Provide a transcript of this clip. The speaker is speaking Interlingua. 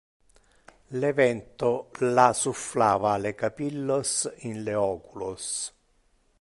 Le vento la sufflava le capillos in le oculos.